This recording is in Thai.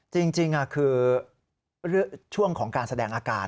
จริงคือช่วงของการแสดงอาการ